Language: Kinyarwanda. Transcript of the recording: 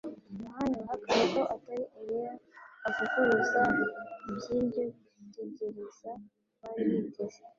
Yohana yahakanye ko atari Eliya avuguruza iby'iryo tegereza bari biteze;